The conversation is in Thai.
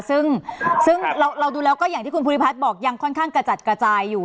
ซึ่งเราดูแล้วก็อย่างที่คุณภูริพัฒน์บอกยังค่อนข้างกระจัดกระจายอยู่